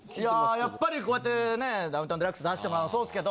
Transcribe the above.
やっぱりこうやってね『ダウンタウンＤＸ』出してもらうのもそうですけど。